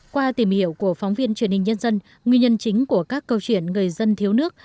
qua tìm hiểu của phóng viên truyền hình nhân dân nguyên nhân chính của các câu chuyện người dân thiếu nước